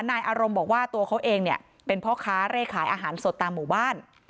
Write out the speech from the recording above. นายอารมณ์บอกว่าตัวเขาเองเนี่ยเป็นพ่อค้าเร่ขายอาหารสดตามหมู่บ้าน